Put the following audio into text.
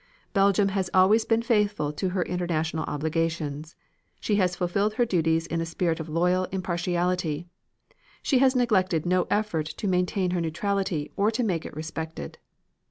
Belgium has always been faithful to her international obligations; she has fulfilled her duties in a spirit of loyal impartiality; she has neglected no effort to maintain her neutrality or to make it respected.